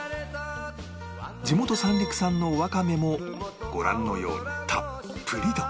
地元三陸産のわかめもご覧のようにたっぷりと